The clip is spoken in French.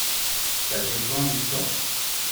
Ça dépend du temps.